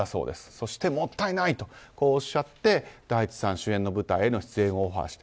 そして、もったいないとこうおっしゃって大地さん主演の舞台への出演をオファーしたと。